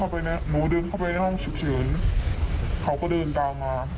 หมูเดินเข้าไปในห้องฉุกเฉินเขาก็เดินตามมา